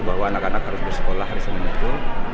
bahwa anak anak harus bersekolah hari senin itu